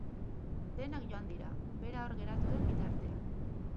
Denak joan dira, bera hor geratu den bitartean.